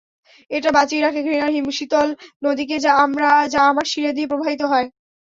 এটা বাঁচিয়ে রাখে ঘৃণার হিমশীতল নদীকে যা আমার শিরা দিয়ে প্রবাহিত হয়।